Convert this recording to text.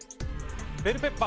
ベルペッパーあ